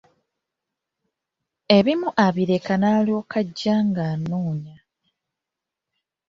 Ebimu abireka n'alyoka ajja ng'anoonya.